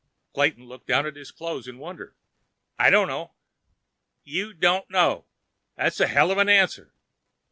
Clayton looked down at his clothes in wonder. "I don't know." "You don't know? That's a hell of an answer."